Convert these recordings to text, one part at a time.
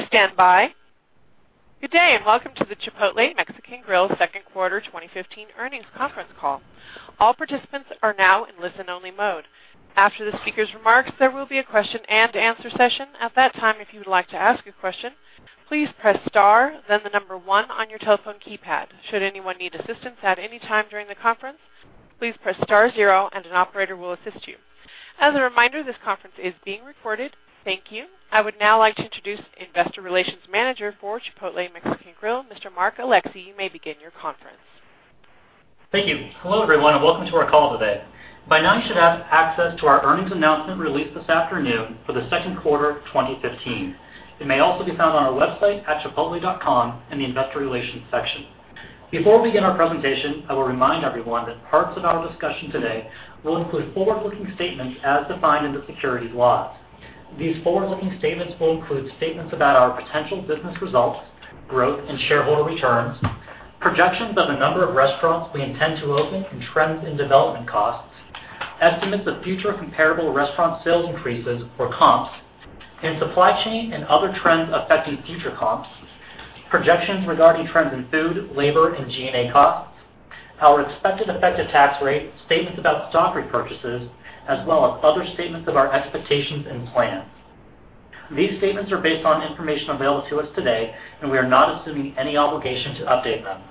Please stand by. Good day, and welcome to the Chipotle Mexican Grill second quarter 2015 earnings conference call. All participants are now in listen-only mode. After the speakers' remarks, there will be a question and answer session. At that time, if you would like to ask a question, please press star then the number one on your telephone keypad. Should anyone need assistance at any time during the conference, please press star zero and an operator will assist you. As a reminder, this conference is being recorded. Thank you. I would now like to introduce Investor Relations Manager for Chipotle Mexican Grill, Mr. Mark Alexee. You may begin your conference. Thank you. Hello, everyone, and welcome to our call today. By now you should have access to our earnings announcement released this afternoon for the second quarter of 2015. It may also be found on our website at chipotle.com in the investor relations section. Before we begin our presentation, I will remind everyone that parts of our discussion today will include forward-looking statements as defined in the securities laws. These forward-looking statements will include statements about our potential business results, growth, and shareholder returns, projections of the number of restaurants we intend to open and trends in development costs, estimates of future comparable restaurant sales increases or comps, and supply chain and other trends affecting future comps, projections regarding trends in food, labor, and G&A costs, our expected effective tax rate, statements about stock repurchases, as well as other statements of our expectations and plans. These statements are based on information available to us today, and we are not assuming any obligation to update them.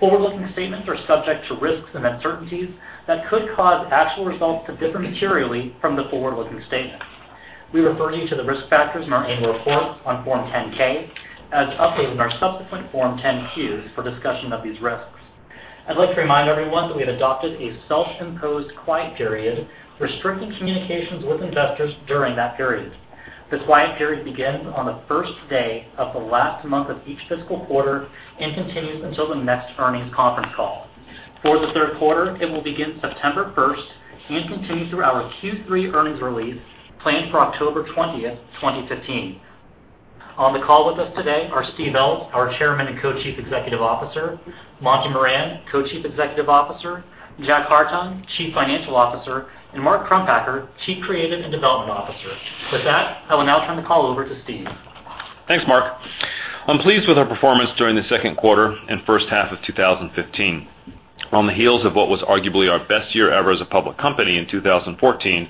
Forward-looking statements are subject to risks and uncertainties that could cause actual results to differ materially from the forward-looking statements. We refer you to the risk factors in our annual report on Form 10-K as updated in our subsequent Form 10-Qs for discussion of these risks. I'd like to remind everyone that we have adopted a self-imposed quiet period restricting communications with investors during that period. This quiet period begins on the first day of the last month of each fiscal quarter and continues until the next earnings conference call. For the third quarter, it will begin September first and continue through our Q3 earnings release planned for October 20th, 2015. On the call with us today are Steve Ells, our Chairman and Co-Chief Executive Officer; Monty Moran, Co-Chief Executive Officer; Jack Hartung, Chief Financial Officer; and Mark Crumpacker, Chief Creative and Development Officer. With that, I will now turn the call over to Steve. Thanks, Mark. I'm pleased with our performance during the second quarter and first half of 2015. On the heels of what was arguably our best year ever as a public company in 2014,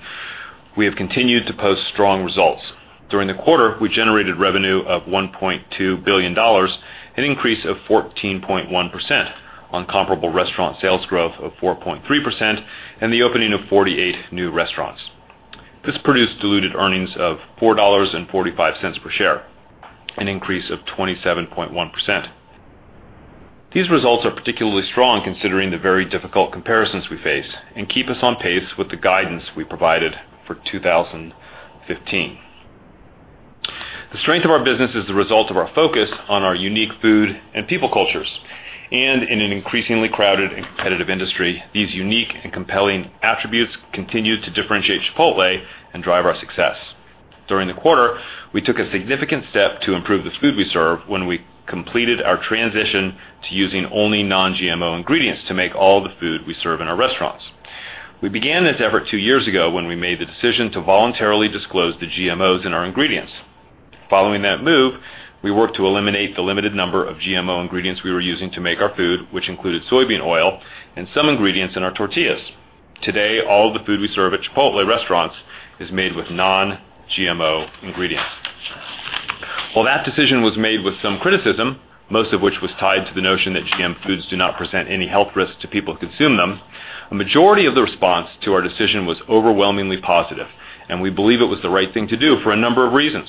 we have continued to post strong results. During the quarter, we generated revenue of $1.2 billion, an increase of 14.1% on comparable restaurant sales growth of 4.3% and the opening of 48 new restaurants. This produced diluted earnings of $4.45 per share, an increase of 27.1%. These results are particularly strong considering the very difficult comparisons we face and keep us on pace with the guidance we provided for 2015. The strength of our business is the result of our focus on our unique food and people cultures. In an increasingly crowded and competitive industry, these unique and compelling attributes continue to differentiate Chipotle and drive our success. During the quarter, we took a significant step to improve the food we serve when we completed our transition to using only non-GMO ingredients to make all the food we serve in our restaurants. We began this effort two years ago when we made the decision to voluntarily disclose the GMOs in our ingredients. Following that move, we worked to eliminate the limited number of GMO ingredients we were using to make our food, which included soybean oil and some ingredients in our tortillas. Today, all the food we serve at Chipotle restaurants is made with non-GMO ingredients. While that decision was made with some criticism, most of which was tied to the notion that GM foods do not present any health risks to people who consume them, a majority of the response to our decision was overwhelmingly positive, and we believe it was the right thing to do for a number of reasons.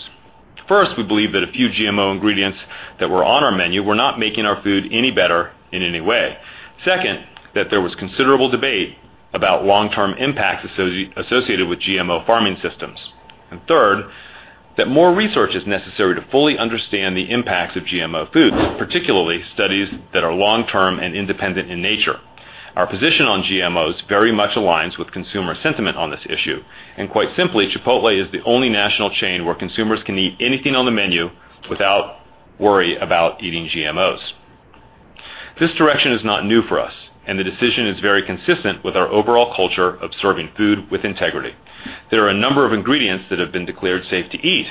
First, we believe that a few GMO ingredients that were on our menu were not making our food any better in any way. Second, that there was considerable debate about long-term impacts associated with GMO farming systems. Third, that more research is necessary to fully understand the impacts of GMO foods, particularly studies that are long-term and independent in nature. Our position on GMOs very much aligns with consumer sentiment on this issue. Quite simply, Chipotle is the only national chain where consumers can eat anything on the menu without worry about eating GMOs. This direction is not new for us, and the decision is very consistent with our overall culture of serving Food with Integrity. There are a number of ingredients that have been declared safe to eat,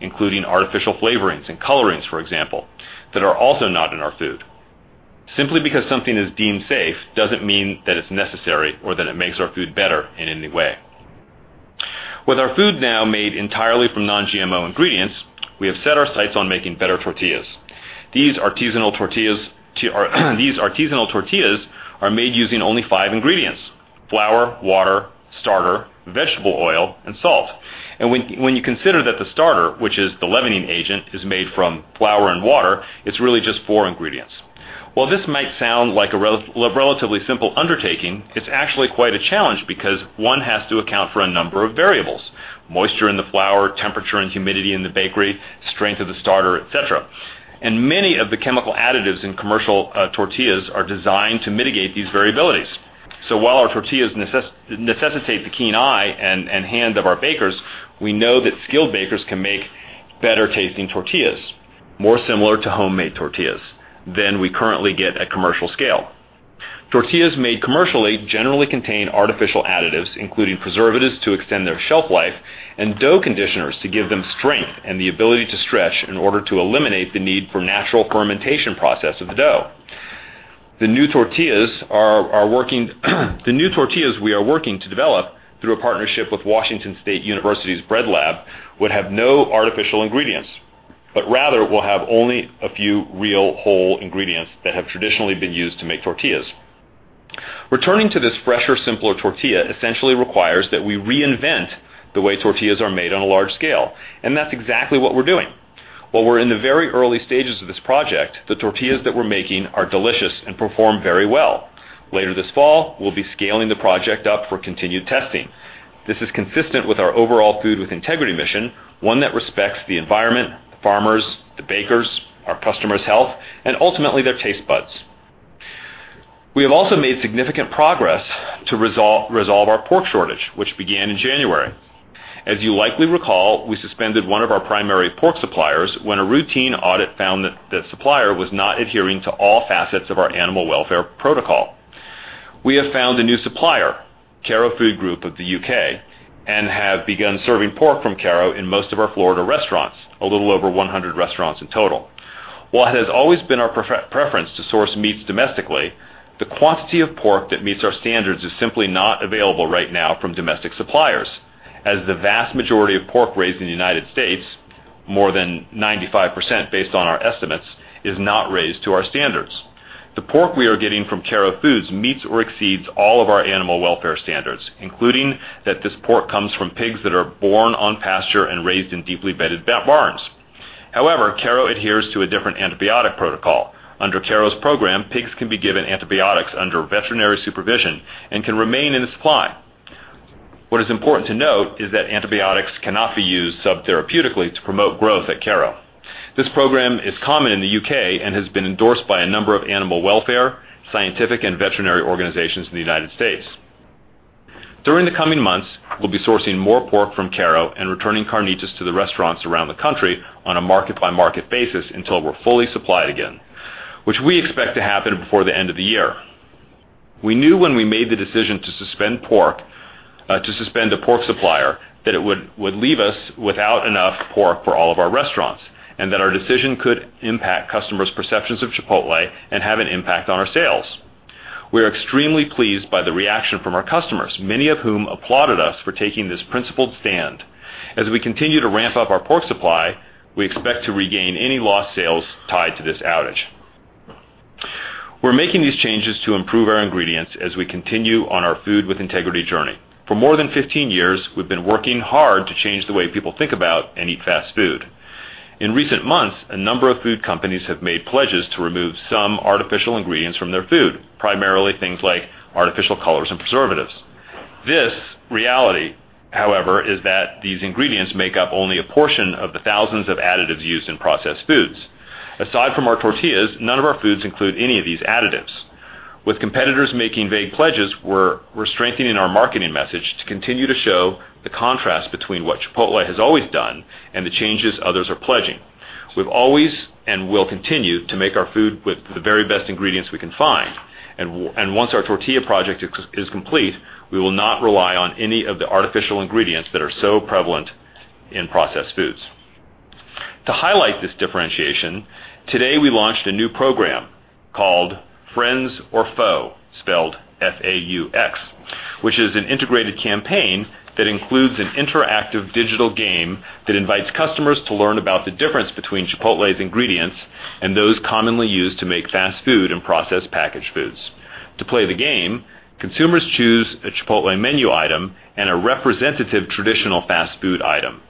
including artificial flavorings and colorings, for example, that are also not in our food. Simply because something is deemed safe doesn't mean that it's necessary or that it makes our food better in any way. With our food now made entirely from non-GMO ingredients, we have set our sights on making better tortillas. These artisanal tortillas are made using only five ingredients: flour, water, starter, vegetable oil, and salt. When you consider that the starter, which is the leavening agent, is made from flour and water, it's really just four ingredients. While this might sound like a relatively simple undertaking, it's actually quite a challenge because one has to account for a number of variables, moisture in the flour, temperature and humidity in the bakery, strength of the starter, etc. Many of the chemical additives in commercial tortillas are designed to mitigate these variabilities. While our tortillas necessitate the keen eye and hand of our bakers, we know that skilled bakers can make better-tasting tortillas more similar to homemade tortillas than we currently get at commercial scale. Tortillas made commercially generally contain artificial additives, including preservatives to extend their shelf life and dough conditioners to give them strength and the ability to stretch in order to eliminate the need for natural fermentation process of the dough. The new tortillas we are working to develop through a partnership with Washington State University's Bread Lab, would have no artificial ingredients, but rather will have only a few real whole ingredients that have traditionally been used to make tortillas. Returning to this fresher, simpler tortilla essentially requires that we reinvent the way tortillas are made on a large scale, and that's exactly what we're doing. While we're in the very early stages of this project, the tortillas that we're making are delicious and perform very well. Later this fall, we'll be scaling the project up for continued testing. This is consistent with our overall Food with Integrity mission, one that respects the environment, the farmers, the bakers, our customers' health, and ultimately their taste buds. We have also made significant progress to resolve our pork shortage, which began in January. As you likely recall, we suspended one of our primary pork suppliers when a routine audit found that the supplier was not adhering to all facets of our animal welfare protocol. We have found a new supplier, Karro Food Group of the U.K., and have begun serving pork from Karro in most of our Florida restaurants, a little over 100 restaurants in total. While it has always been our preference to source meats domestically, the quantity of pork that meets our standards is simply not available right now from domestic suppliers, as the vast majority of pork raised in the U.S., more than 95% based on our estimates, is not raised to our standards. The pork we are getting from Karro Foods meets or exceeds all of our animal welfare standards, including that this pork comes from pigs that are born on pasture and raised in deeply bedded barns. However, Karro adheres to a different antibiotic protocol. Under Karro's program, pigs can be given antibiotics under veterinary supervision and can remain in the supply. What is important to note is that antibiotics cannot be used sub-therapeutically to promote growth at Karro. This program is common in the U.K. and has been endorsed by a number of animal welfare, scientific, and veterinary organizations in the U.S. During the coming months, we'll be sourcing more pork from Karro and returning carnitas to the restaurants around the country on a market-by-market basis until we're fully supplied again, which we expect to happen before the end of the year. We knew when we made the decision to suspend the pork supplier that it would leave us without enough pork for all of our restaurants, and that our decision could impact customers' perceptions of Chipotle and have an impact on our sales. We are extremely pleased by the reaction from our customers, many of whom applauded us for taking this principled stand. As we continue to ramp up our pork supply, we expect to regain any lost sales tied to this outage. We are making these changes to improve our ingredients as we continue on our Food with Integrity journey. For more than 15 years, we have been working hard to change the way people think about and eat fast food. In recent months, a number of food companies have made pledges to remove some artificial ingredients from their food, primarily things like artificial colors and preservatives. This reality, however, is that these ingredients make up only a portion of the thousands of additives used in processed foods. Aside from our tortillas, none of our foods include any of these additives. With competitors making vague pledges, we are strengthening our marketing message to continue to show the contrast between what Chipotle has always done and the changes others are pledging. We have always, and will continue to make our food with the very best ingredients we can find. Once our tortilla project is complete, we will not rely on any of the artificial ingredients that are so prevalent in processed foods. To highlight this differentiation, today we launched a new program called Friends or Faux, spelled F-A-U-X, which is an integrated campaign that includes an interactive digital game that invites customers to learn about the difference between Chipotle's ingredients and those commonly used to make fast food and processed packaged foods. To play the game, consumers choose a Chipotle menu item and a representative traditional fast food item,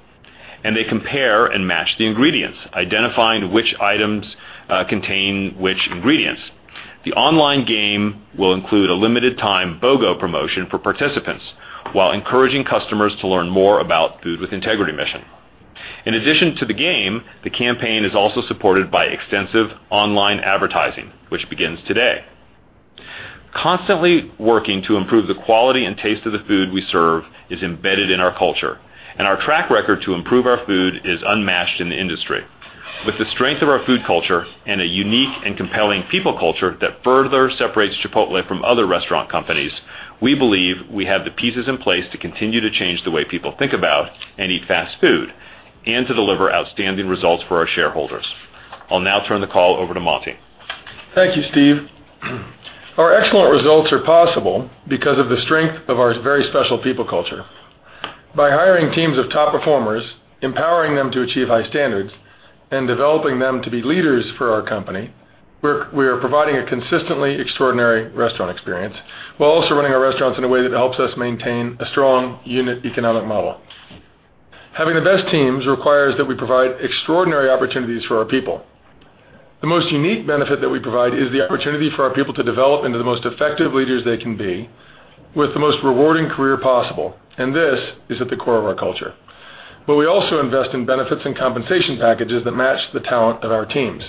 and they compare and match the ingredients, identifying which items contain which ingredients. The online game will include a limited time BOGO promotion for participants, while encouraging customers to learn more about Food with Integrity mission. In addition to the game, the campaign is also supported by extensive online advertising, which begins today. Constantly working to improve the quality and taste of the food we serve is embedded in our culture, and our track record to improve our food is unmatched in the industry. With the strength of our food culture and a unique and compelling people culture that further separates Chipotle from other restaurant companies, we believe we have the pieces in place to continue to change the way people think about and eat fast food, and to deliver outstanding results for our shareholders. I will now turn the call over to Monty. Thank you, Steve. Our excellent results are possible because of the strength of our very special people culture. By hiring teams of top performers, empowering them to achieve high standards, and developing them to be leaders for our company, we are providing a consistently extraordinary restaurant experience while also running our restaurants in a way that helps us maintain a strong unit economic model. Having the best teams requires that we provide extraordinary opportunities for our people. The most unique benefit that we provide is the opportunity for our people to develop into the most effective leaders they can be with the most rewarding career possible. This is at the core of our culture. We also invest in benefits and compensation packages that match the talent of our teams.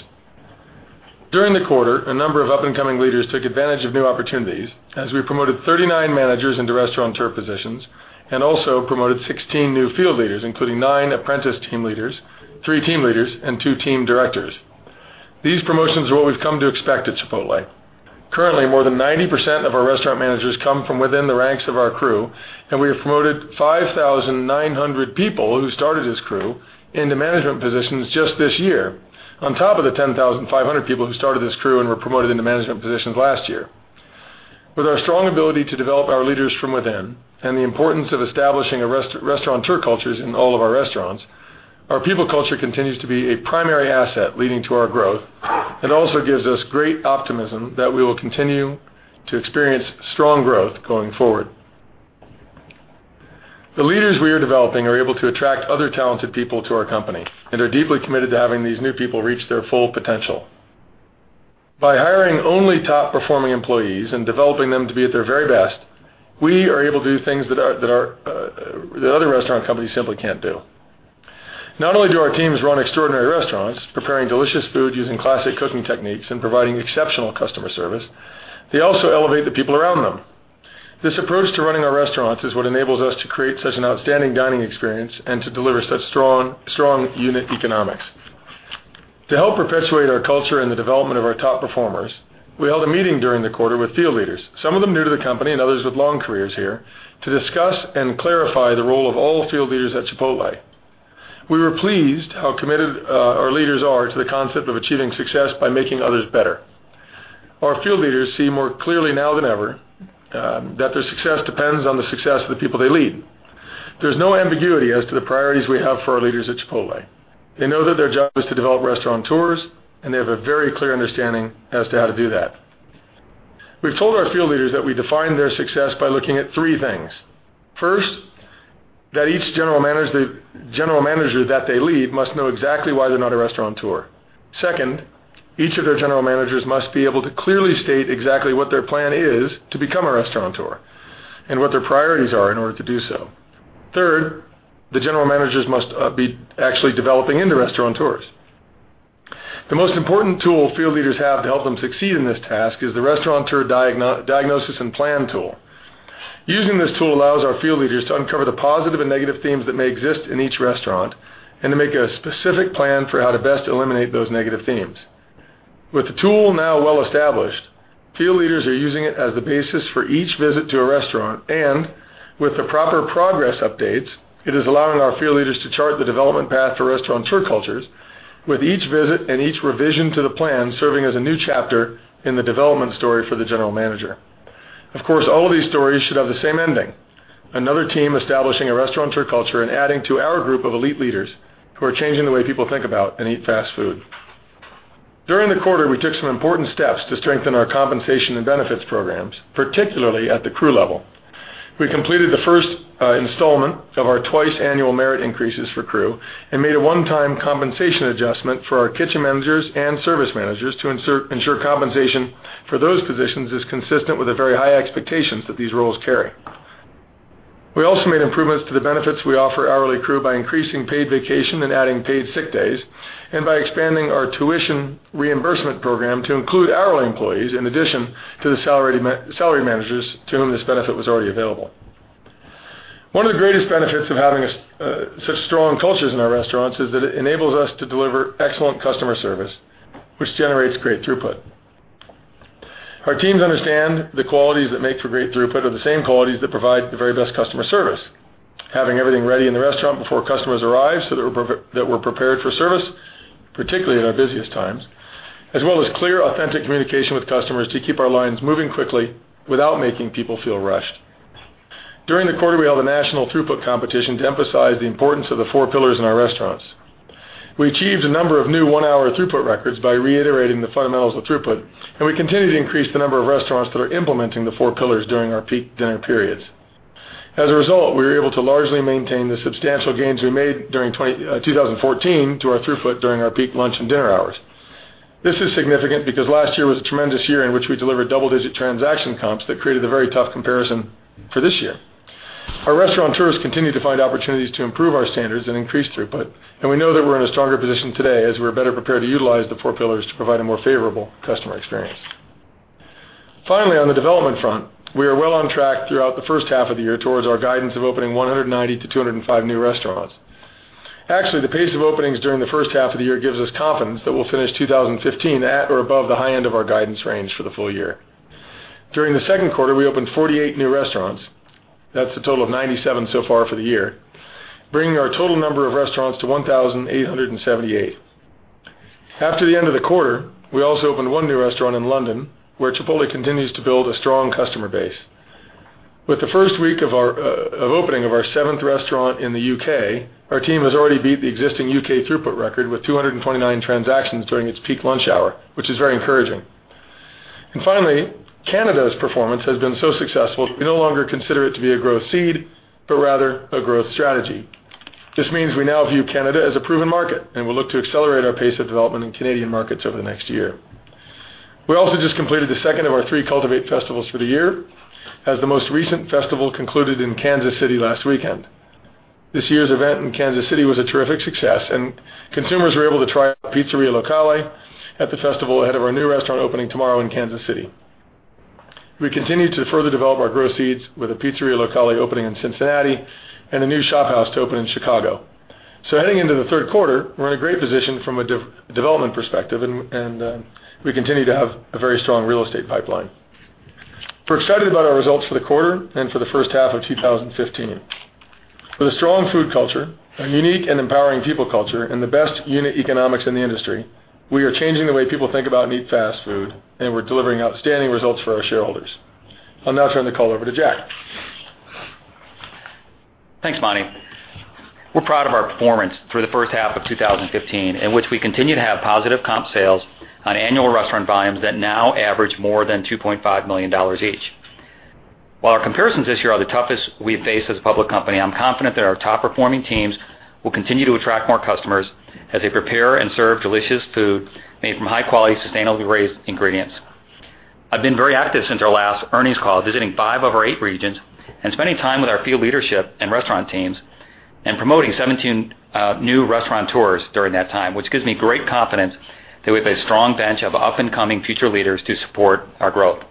During the quarter, a number of up-and-coming leaders took advantage of new opportunities as we promoted 39 managers into restaurant turf positions, also promoted 16 new field leaders, including nine apprentice team leaders, three team leaders, and two team directors. These promotions are what we've come to expect at Chipotle. Currently, more than 90% of our restaurant managers come from within the ranks of our crew, and we have promoted 5,900 people who started as crew into management positions just this year, on top of the 10,500 people who started as crew and were promoted into management positions last year. With our strong ability to develop our leaders from within and the importance of establishing Restaurateur cultures in all of our restaurants, our people culture continues to be a primary asset leading to our growth and also gives us great optimism that we will continue to experience strong growth going forward. The leaders we are developing are able to attract other talented people to our company and are deeply committed to having these new people reach their full potential. By hiring only top-performing employees and developing them to be at their very best, we are able to do things that other restaurant companies simply can't do. Not only do our teams run extraordinary restaurants, preparing delicious food using classic cooking techniques and providing exceptional customer service, they also elevate the people around them. This approach to running our restaurants is what enables us to create such an outstanding dining experience and to deliver such strong unit economics. To help perpetuate our culture and the development of our top performers, we held a meeting during the quarter with field leaders, some of them new to the company and others with long careers here, to discuss and clarify the role of all field leaders at Chipotle. We were pleased how committed our leaders are to the concept of achieving success by making others better. Our field leaders see more clearly now than ever that their success depends on the success of the people they lead. There's no ambiguity as to the priorities we have for our leaders at Chipotle. They know that their job is to develop Restaurateurs, and they have a very clear understanding as to how to do that. We've told our field leaders that we define their success by looking at three things. First, that each general manager that they lead must know exactly why they're not a Restaurateur. Second, each of their general managers must be able to clearly state exactly what their plan is to become a Restaurateur and what their priorities are in order to do so. Third, the general managers must be actually developing into Restaurateurs. The most important tool field leaders have to help them succeed in this task is the Restaurateur Diagnosis and Plan tool. Using this tool allows our field leaders to uncover the positive and negative themes that may exist in each restaurant and to make a specific plan for how to best eliminate those negative themes. With the tool now well-established, field leaders are using it as the basis for each visit to a restaurant. With the proper progress updates, it is allowing our field leaders to chart the development path to Restaurateur cultures with each visit and each revision to the plan serving as a new chapter in the development story for the general manager. Of course, all of these stories should have the same ending. Another team establishing a Restaurateur culture and adding to our group of elite leaders who are changing the way people think about and eat fast food. During the quarter, we took some important steps to strengthen our compensation and benefits programs, particularly at the crew level. We completed the first installment of our twice-annual merit increases for crew and made a one-time compensation adjustment for our kitchen managers and service managers to ensure compensation for those positions is consistent with the very high expectations that these roles carry. We also made improvements to the benefits we offer hourly crew by increasing paid vacation and adding paid sick days, and by expanding our tuition reimbursement program to include hourly employees in addition to the salary managers to whom this benefit was already available. One of the greatest benefits of having such strong cultures in our restaurants is that it enables us to deliver excellent customer service, which generates great throughput. Our teams understand the qualities that make for great throughput are the same qualities that provide the very best customer service. Having everything ready in the restaurant before customers arrive so that we're prepared for service, particularly at our busiest times, as well as clear, authentic communication with customers to keep our lines moving quickly without making people feel rushed. During the quarter, we held a national throughput competition to emphasize the importance of the Four Pillars in our restaurants. We achieved a number of new one-hour throughput records by reiterating the fundamentals of throughput. We continue to increase the number of restaurants that are implementing the Four Pillars during our peak dinner periods. As a result, we were able to largely maintain the substantial gains we made during 2014 to our throughput during our peak lunch and dinner hours. This is significant because last year was a tremendous year in which we delivered double-digit transaction comps that created a very tough comparison for this year. Our Restaurateurs continue to find opportunities to improve our standards and increase throughput. We know that we're in a stronger position today as we're better prepared to utilize the Four Pillars to provide a more favorable customer experience. Finally, on the development front, we are well on track throughout the first half of the year towards our guidance of opening 190-205 new restaurants. Actually, the pace of openings during the first half of the year gives us confidence that we'll finish 2015 at or above the high end of our guidance range for the full year. During the second quarter, we opened 48 new restaurants. That's a total of 97 so far for the year, bringing our total number of restaurants to 1,878. After the end of the quarter, we also opened one new restaurant in London, where Chipotle continues to build a strong customer base. With the first week of opening of our seventh restaurant in the U.K., our team has already beat the existing U.K. throughput record with 229 transactions during its peak lunch hour, which is very encouraging. Finally, Canada's performance has been so successful that we no longer consider it to be a growth seed, but rather a growth strategy. This means we now view Canada as a proven market, and we'll look to accelerate our pace of development in Canadian markets over the next year. We also just completed the second of our three Cultivate Festivals for the year, as the most recent festival concluded in Kansas City last weekend. This year's event in Kansas City was a terrific success. Consumers were able to try out Pizzeria Locale at the festival ahead of our new restaurant opening tomorrow in Kansas City. We continue to further develop our growth seeds with a Pizzeria Locale opening in Cincinnati and a new ShopHouse to open in Chicago. Heading into the third quarter, we're in a great position from a development perspective, and we continue to have a very strong real estate pipeline. We're excited about our results for the quarter and for the first half of 2015. With a strong food culture, a unique and empowering people culture, and the best unit economics in the industry, we are changing the way people think about meat fast food, and we're delivering outstanding results for our shareholders. I'll now turn the call over to Jack. Thanks, Monty. We're proud of our performance through the first half of 2015, in which we continue to have positive comp sales on annual restaurant volumes that now average more than $2.5 million each. While our comparisons this year are the toughest we've faced as a public company, I'm confident that our top-performing teams will continue to attract more customers as they prepare and serve delicious food made from high-quality, sustainably raised ingredients. I've been very active since our last earnings call, visiting five of our eight regions and spending time with our field leadership and restaurant teams and promoting 17 new Restaurateurs during that time, which gives me great confidence that we have a strong bench of up-and-coming future leaders to support our growth.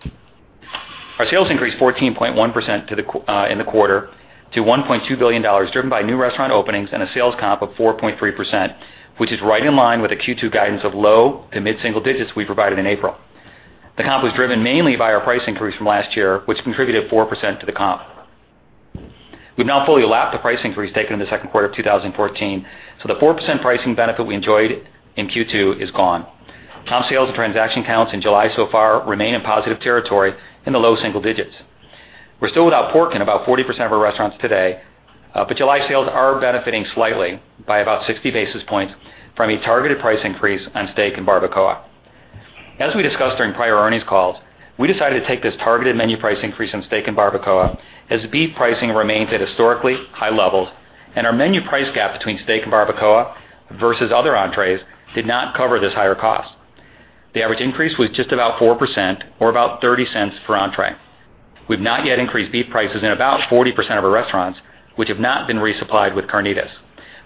Our sales increased 14.1% in the quarter to $1.2 billion, driven by new restaurant openings and a sales comp of 4.3%, which is right in line with the Q2 guidance of low to mid-single digits we provided in April. The comp was driven mainly by our price increase from last year, which contributed 4% to the comp. We've now fully lapped the price increase taken in the second quarter of 2014. The 4% pricing benefit we enjoyed in Q2 is gone. Comp sales and transaction counts in July so far remain in positive territory in the low single digits. We're still without pork in about 40% of our restaurants today, but July sales are benefiting slightly by about 60 basis points from a targeted price increase on steak and barbacoa. As we discussed during prior earnings calls, we decided to take this targeted menu price increase on steak and barbacoa as beef pricing remains at historically high levels, and our menu price gap between steak and barbacoa versus other entrees did not cover this higher cost. The average increase was just about 4% or about $0.30 per entree. We've not yet increased beef prices in about 40% of our restaurants, which have not been resupplied with carnitas.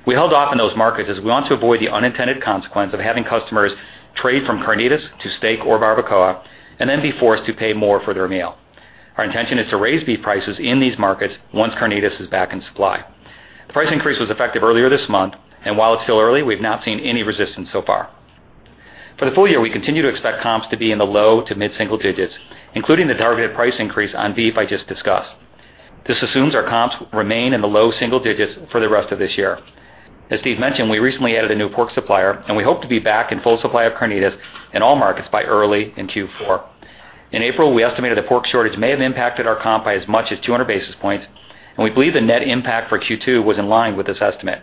We held off in those markets as we want to avoid the unintended consequence of having customers trade from carnitas to steak or barbacoa and then be forced to pay more for their meal. Our intention is to raise beef prices in these markets once carnitas is back in supply. The price increase was effective earlier this month, and while it's still early, we've not seen any resistance so far. For the full year, we continue to expect comps to be in the low to mid-single digits, including the targeted price increase on beef I just discussed. This assumes our comps remain in the low single digits for the rest of this year. As Steve mentioned, we recently added a new pork supplier, and we hope to be back in full supply of carnitas in all markets by early in Q4. In April, we estimated the pork shortage may have impacted our comp by as much as 200 basis points, and we believe the net impact for Q2 was in line with this estimate.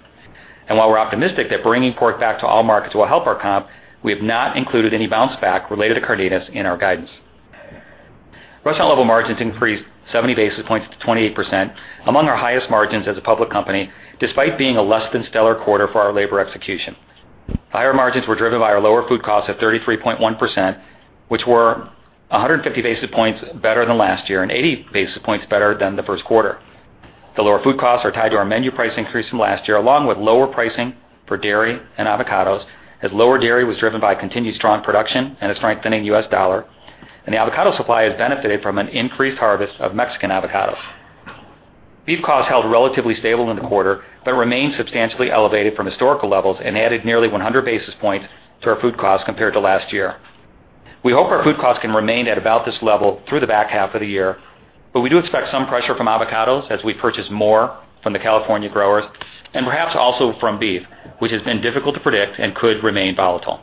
While we're optimistic that bringing pork back to all markets will help our comp, we have not included any bounce back related to carnitas in our guidance. Restaurant-level margins increased 70 basis points to 28%, among our highest margins as a public company, despite being a less than stellar quarter for our labor execution. Higher margins were driven by our lower food costs of 33.1%, which were 150 basis points better than last year and 80 basis points better than the first quarter. The lower food costs are tied to our menu price increase from last year, along with lower pricing for dairy and avocados, as lower dairy was driven by continued strong production and a strengthening U.S. dollar. The avocado supply has benefited from an increased harvest of Mexican avocados. Beef costs held relatively stable in the quarter but remained substantially elevated from historical levels and added nearly 100 basis points to our food cost compared to last year. We hope our food cost can remain at about this level through the back half of the year, but we do expect some pressure from avocados as we purchase more from the California growers and perhaps also from beef, which has been difficult to predict and could remain volatile.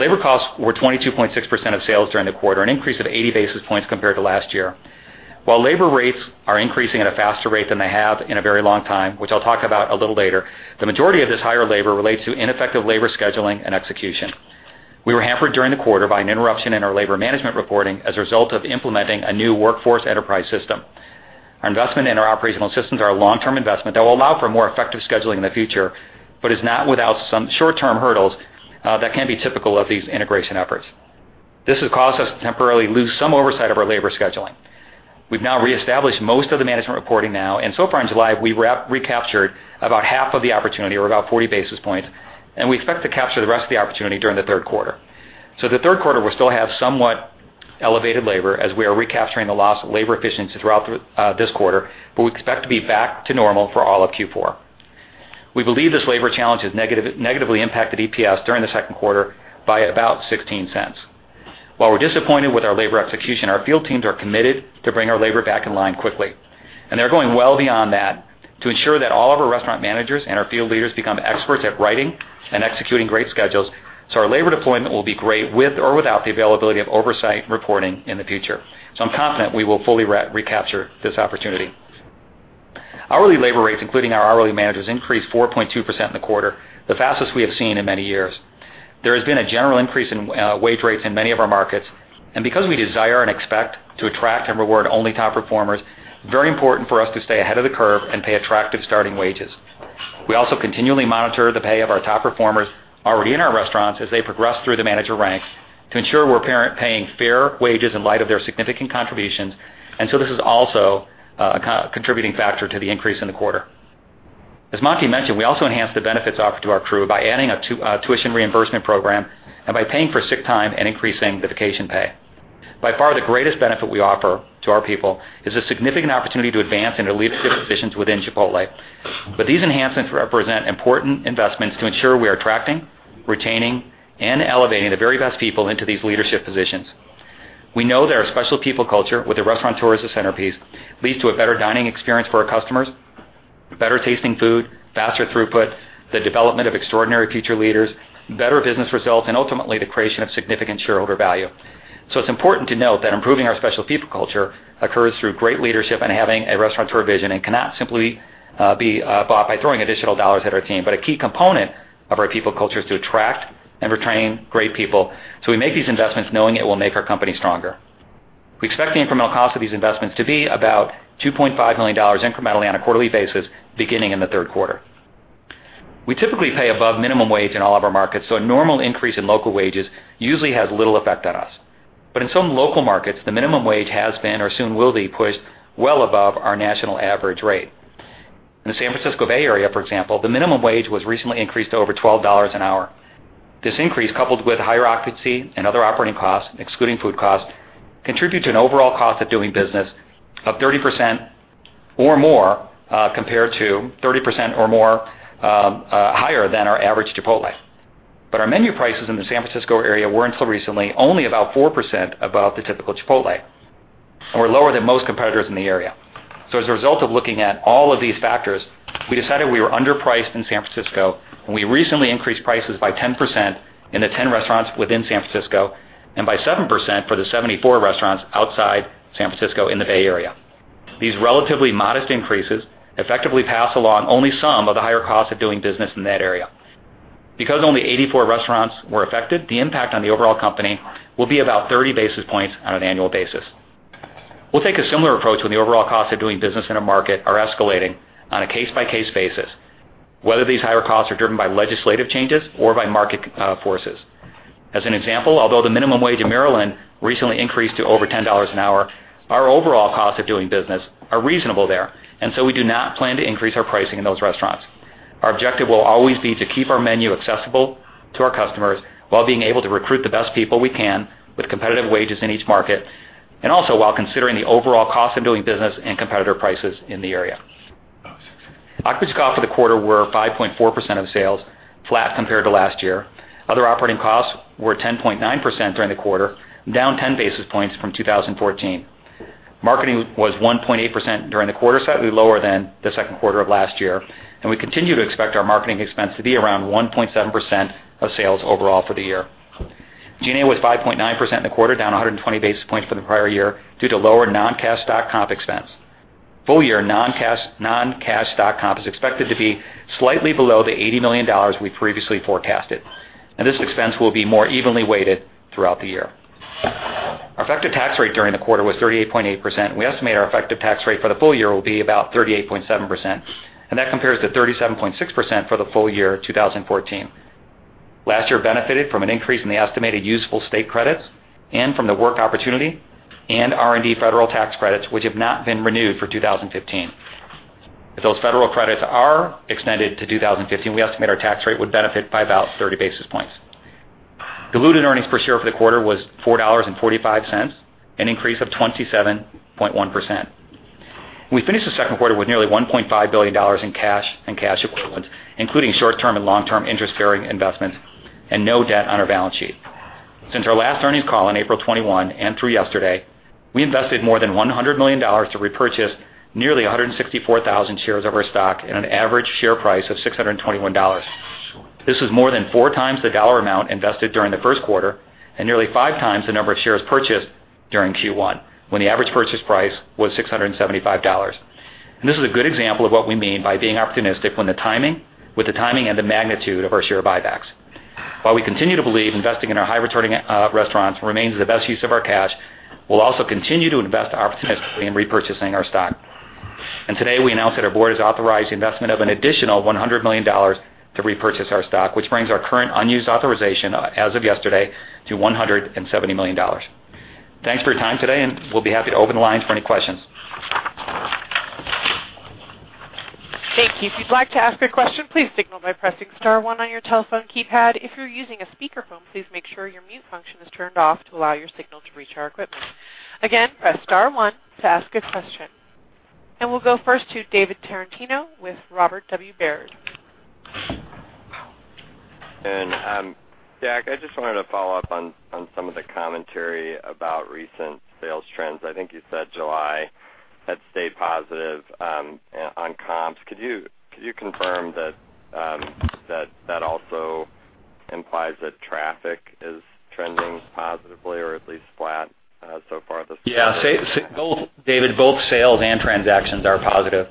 Labor costs were 22.6% of sales during the quarter, an increase of 80 basis points compared to last year. While labor rates are increasing at a faster rate than they have in a very long time, which I'll talk about a little later, the majority of this higher labor relates to ineffective labor scheduling and execution. We were hampered during the quarter by an interruption in our labor management reporting as a result of implementing a new workforce enterprise system. Our investment in our operational systems are a long-term investment that will allow for more effective scheduling in the future but is not without some short-term hurdles that can be typical of these integration efforts. This has caused us to temporarily lose some oversight of our labor scheduling. We've now reestablished most of the management reporting now. So far in July, we recaptured about half of the opportunity or about 40 basis points, and we expect to capture the rest of the opportunity during the third quarter. The third quarter will still have somewhat elevated labor as we are recapturing the lost labor efficiency throughout this quarter, but we expect to be back to normal for all of Q4. We believe this labor challenge has negatively impacted EPS during the second quarter by about $0.16. While we're disappointed with our labor execution, our field teams are committed to bring our labor back in line quickly, and they're going well beyond that to ensure that all of our restaurant managers and our field leaders become experts at writing and executing great schedules. Our labor deployment will be great with or without the availability of oversight reporting in the future. I'm confident we will fully recapture this opportunity. Hourly labor rates, including our hourly managers, increased 4.2% in the quarter, the fastest we have seen in many years. There has been a general increase in wage rates in many of our markets. Because we desire and expect to attract and reward only top performers, very important for us to stay ahead of the curve and pay attractive starting wages. We also continually monitor the pay of our top performers already in our restaurants as they progress through the manager ranks to ensure we're paying fair wages in light of their significant contributions. This is also a contributing factor to the increase in the quarter. As Monty mentioned, we also enhanced the benefits offered to our crew by adding a tuition reimbursement program and by paying for sick time and increasing the vacation pay. By far, the greatest benefit we offer to our people is a significant opportunity to advance into leadership positions within Chipotle. These enhancements represent important investments to ensure we are attracting, retaining, and elevating the very best people into these leadership positions. We know that our special people culture, with the Restaurateur as the centerpiece, leads to a better dining experience for our customers, better-tasting food, faster throughput, the development of extraordinary future leaders, better business results, and ultimately, the creation of significant shareholder value. It's important to note that improving our special people culture occurs through great leadership and having a Restaurateur vision, and cannot simply be bought by throwing additional dollars at our team. A key component of our people culture is to attract and retain great people. We make these investments knowing it will make our company stronger. We expect the incremental cost of these investments to be about $2.5 million incrementally on a quarterly basis, beginning in the third quarter. We typically pay above minimum wage in all of our markets. A normal increase in local wages usually has little effect on us. In some local markets, the minimum wage has been or soon will be pushed well above our national average rate. In the San Francisco Bay Area, for example, the minimum wage was recently increased to over $12 an hour. This increase, coupled with higher occupancy and other operating costs, excluding food costs, contribute to an overall cost of doing business of 30% or more higher than our average Chipotle. Our menu prices in the San Francisco area were until recently only about 4% above the typical Chipotle and were lower than most competitors in the area. As a result of looking at all of these factors, we decided we were underpriced in San Francisco, and we recently increased prices by 10% in the 10 restaurants within San Francisco and by 7% for the 74 restaurants outside San Francisco in the Bay Area. These relatively modest increases effectively pass along only some of the higher costs of doing business in that area. Because only 84 restaurants were affected, the impact on the overall company will be about 30 basis points on an annual basis. We'll take a similar approach when the overall costs of doing business in a market are escalating on a case-by-case basis, whether these higher costs are driven by legislative changes or by market forces. As an example, although the minimum wage in Maryland recently increased to over $10 an hour, our overall costs of doing business are reasonable there, and so we do not plan to increase our pricing in those restaurants. Our objective will always be to keep our menu accessible to our customers while being able to recruit the best people we can with competitive wages in each market, and also while considering the overall cost of doing business and competitor prices in the area. Occupancy costs for the quarter were 5.4% of sales, flat compared to last year. Other operating costs were 10.9% during the quarter, down 10 basis points from 2014. Marketing was 1.8% during the quarter, slightly lower than the second quarter of last year, and we continue to expect our marketing expense to be around 1.7% of sales overall for the year. G&A was 5.9% in the quarter, down 120 basis points from the prior year due to lower non-cash stock comp expense. Full-year non-cash stock comp is expected to be slightly below the $80 million we previously forecasted, and this expense will be more evenly weighted throughout the year. Our effective tax rate during the quarter was 38.8%, and we estimate our effective tax rate for the full year will be about 38.7%, and that compares to 37.6% for the full year 2014. Last year benefited from an increase in the estimated useful state credits and from the work opportunity and R&D federal tax credits, which have not been renewed for 2015. If those federal credits are extended to 2015, we estimate our tax rate would benefit by about 30 basis points. Diluted earnings per share for the quarter was $4.45, an increase of 27.1%. We finished the second quarter with nearly $1.5 billion in cash and cash equivalents, including short-term and long-term interest-bearing investments and no debt on our balance sheet. Since our last earnings call on April 21 and through yesterday, we invested more than $100 million to repurchase nearly 164,000 shares of our stock at an average share price of $621. This is more than four times the dollar amount invested during the first quarter and nearly five times the number of shares purchased during Q1, when the average purchase price was $675. This is a good example of what we mean by being opportunistic with the timing and the magnitude of our share buybacks. While we continue to believe investing in our high-returning restaurants remains the best use of our cash, we'll also continue to invest opportunistically in repurchasing our stock. Today, we announce that our board has authorized the investment of an additional $100 million to repurchase our stock, which brings our current unused authorization as of yesterday to $170 million. Thanks for your time today. We'll be happy to open the lines for any questions. Thank you. If you'd like to ask a question, please signal by pressing star one on your telephone keypad. If you're using a speakerphone, please make sure your mute function is turned off to allow your signal to reach our equipment. Again, press star one to ask a question. We'll go first to David Tarantino with Robert W. Baird. Jack, I just wanted to follow up on some of the commentary about recent sales trends. I think you said July had stayed positive on comps. Could you confirm that also implies that traffic is trending positively or at least flat so far this year? David, both sales and transactions are positive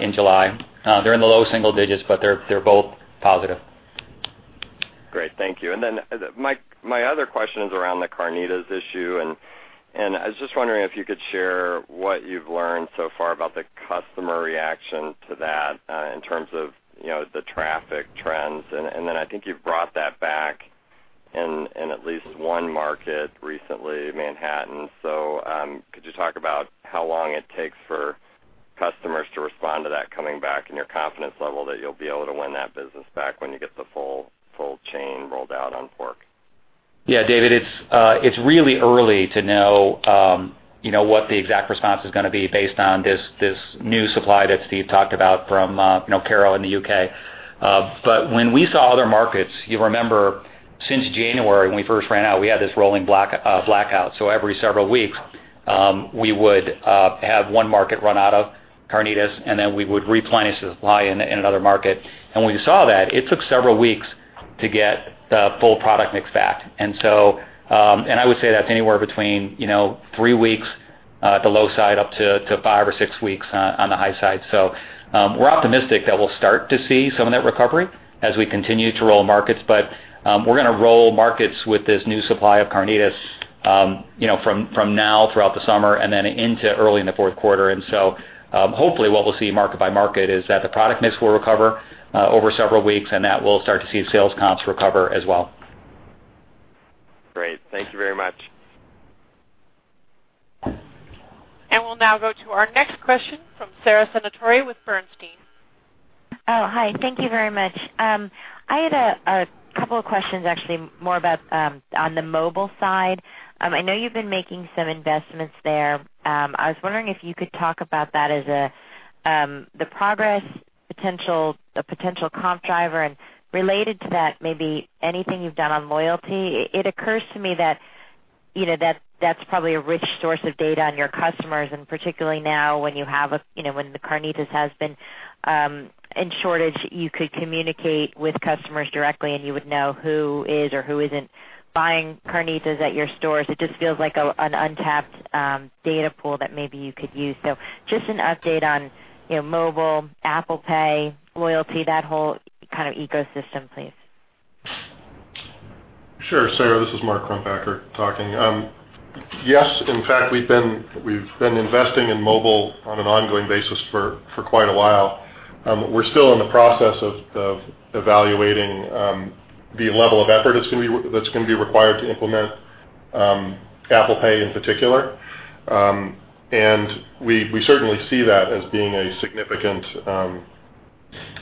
in July. They are in the low single digits, but they are both positive. Great. Thank you. My other question is around the carnitas issue, and I was just wondering if you could share what you have learned so far about the customer reaction to that in terms of the traffic trends. I think you have brought that back In at least one market recently, Manhattan. Could you talk about how long it takes for customers to respond to that coming back and your confidence level that you will be able to win that business back when you get the full chain rolled out on pork? David, it is really early to know what the exact response is going to be based on this new supply that Steve talked about from Karro in the U.K. When we saw other markets, you will remember since January, when we first ran out, we had this rolling blackout. Every several weeks, we would have one market run out of carnitas, and then we would replenish the supply in another market. When we saw that, it took several weeks to get the full product mix back. I would say that is anywhere between three weeks at the low side, up to five or six weeks on the high side. We are optimistic that we will start to see some of that recovery as we continue to roll markets. We're going to roll markets with this new supply of carnitas from now throughout the summer and then into early in the fourth quarter. Hopefully what we'll see market by market is that the product mix will recover over several weeks, and that we'll start to see sales comps recover as well. Great. Thank you very much. We'll now go to our next question from Sara Senatore with Bernstein. Hi. Thank you very much. I had two questions, actually, more about on the mobile side. I know you've been making some investments there. I was wondering if you could talk about that as a progress potential, a potential comp driver, and related to that, maybe anything you've done on loyalty. It occurs to me that's probably a rich source of data on your customers, and particularly now when the carnitas has been in shortage, you could communicate with customers directly, and you would know who is or who isn't buying carnitas at your stores. It just feels like an untapped data pool that maybe you could use. Just an update on mobile, Apple Pay, loyalty, that whole kind of ecosystem, please. Sure, Sara, this is Mark Crumpacker talking. Yes, in fact, we've been investing in mobile on an ongoing basis for quite a while. We're still in the process of evaluating the level of effort that's going to be required to implement Apple Pay in particular. We certainly see that as being a significant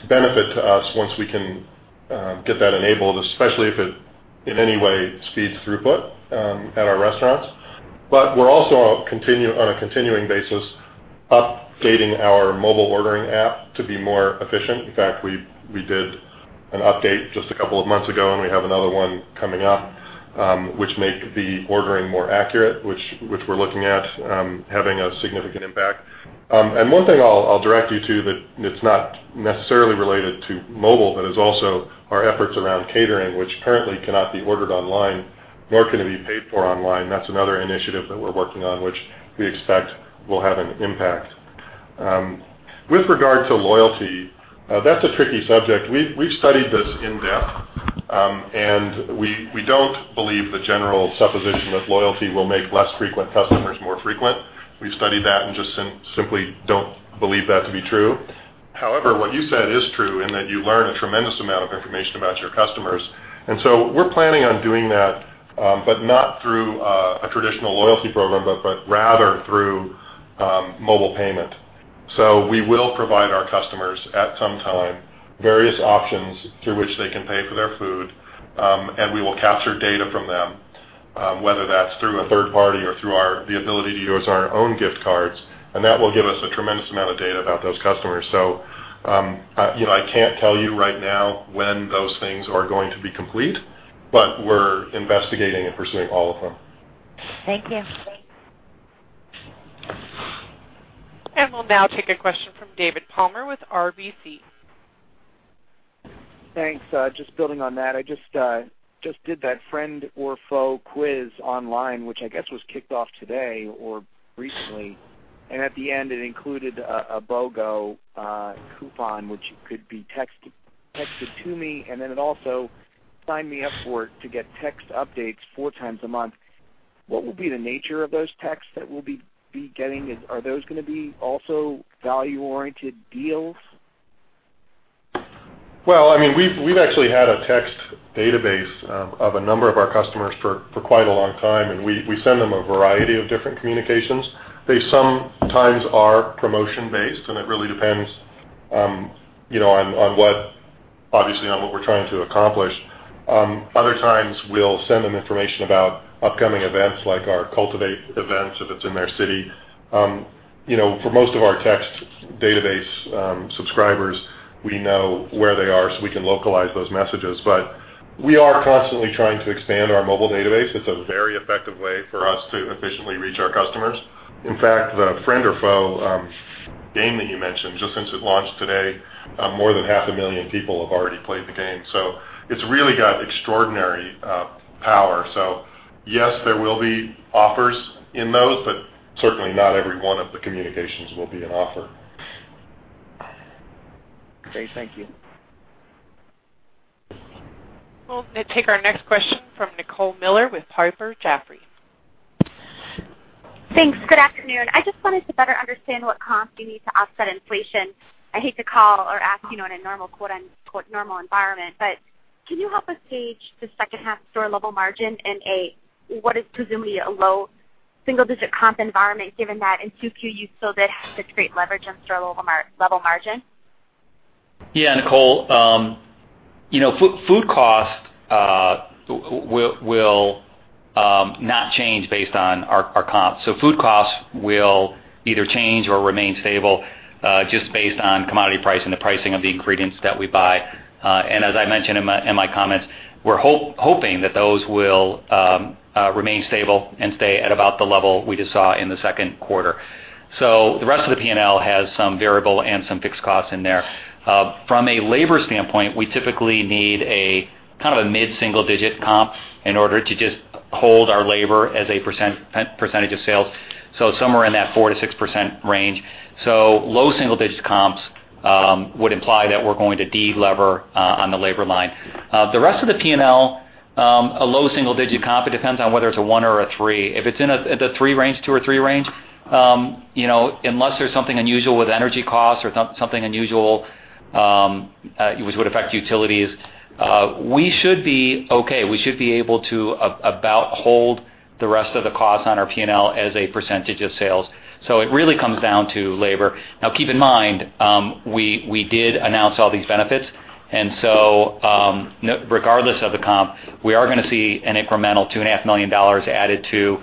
benefit to us once we can get that enabled, especially if it in any way speeds throughput at our restaurants. We're also on a continuing basis, updating our mobile ordering app to be more efficient. In fact, we did an update just a couple of months ago, and we have another one coming up, which make the ordering more accurate, which we're looking at having a significant impact. One thing I'll direct you to that is not necessarily related to mobile, but is also our efforts around catering, which currently cannot be ordered online nor can it be paid for online. That's another initiative that we're working on, which we expect will have an impact. With regard to loyalty, that's a tricky subject. We've studied this in-depth. We don't believe the general supposition that loyalty will make less frequent customers more frequent. We've studied that. Just simply don't believe that to be true. However, what you said is true in that you learn a tremendous amount of information about your customers, so we're planning on doing that, but not through a traditional loyalty program, but rather through mobile payment. We will provide our customers, at some time, various options through which they can pay for their food. We will capture data from them, whether that's through a third party or through the ability to use our own gift cards. That will give us a tremendous amount of data about those customers. I can't tell you right now when those things are going to be complete, but we're investigating and pursuing all of them. Thank you. We'll now take a question from David Palmer with RBC. Thanks. Just building on that. I just did that Friends or Faux quiz online, which I guess was kicked off today or recently, and at the end, it included a BOGO coupon, which could be texted to me, and then it also signed me up for it to get text updates four times a month. What will be the nature of those texts that we'll be getting? Are those going to be also value-oriented deals? Well, we've actually had a text database of a number of our customers for quite a long time, and we send them a variety of different communications. They sometimes are promotion-based, and it really depends, obviously, on what we're trying to accomplish. Other times, we'll send them information about upcoming events like our Cultivate events if it's in their city. For most of our text database subscribers, we know where they are, so we can localize those messages. We are constantly trying to expand our mobile database. It's a very effective way for us to efficiently reach our customers. In fact, the Friends or Faux game that you mentioned, just since it launched today, more than half a million people have already played the game. It's really got extraordinary power. Yes, there will be offers in those, but certainly not every one of the communications will be an offer. Great. Thank you. We'll take our next question from Nicole Miller with Piper Jaffray. Thanks. Good afternoon. I just wanted to better understand what comps you need to offset inflation. I hate to call or ask in a "normal" environment, but can you help us gauge the second half store level margin in a, what is presumably, a low single-digit comp environment, given that in 2Q, you still did have this great leverage on store level margin? Yeah, Nicole. Food cost will not change based on our comps. Food costs will either change or remain stable, just based on commodity pricing, the pricing of the ingredients that we buy. As I mentioned in my comments, we're hoping that those will remain stable and stay at about the level we just saw in the second quarter. The rest of the P&L has some variable and some fixed costs in there. From a labor standpoint, we typically need a mid-single digit comp in order to just hold our labor as a percentage of sales, so somewhere in that 4%-6% range. Low single-digit comps would imply that we're going to de-lever on the labor line. The rest of the P&L, a low single-digit comp, it depends on whether it's a one or a three. If it's in the three range, two or three range, unless there's something unusual with energy costs or something unusual which would affect utilities, we should be okay. We should be able to about hold the rest of the costs on our P&L as a percentage of sales. It really comes down to labor. Now, keep in mind, we did announce all these benefits, regardless of the comp, we are going to see an incremental $2.5 million added to